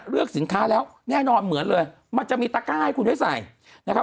เลือกสินค้าแล้วแน่นอนเหมือนเลยมันจะมีตะกายให้คุณให้ใส่